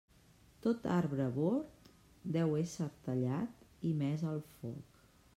Tot arbre bord deu esser tallat i mes al foc.